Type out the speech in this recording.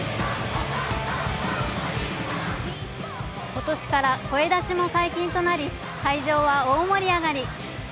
今年から声出しも解禁となり会場は大盛り上がり。